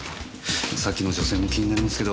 さっきの女性も気になりますけど